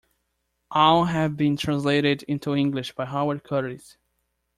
All have been translated into English by Howard Curtis.